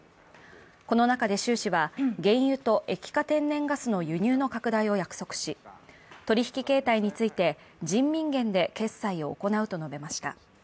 この中で習氏は、原油と液化天然ガスの輸入の拡大を約束し、取引形態について、人民元で決済を行うと述べました。